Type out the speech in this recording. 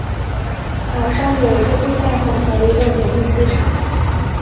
岛上有一个度假村和一个简易机场。